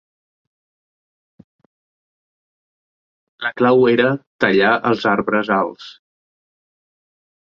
La clau era "tallar els arbres alts".